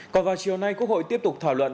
còn vào chiều nay quốc hội tiếp tục thảo luận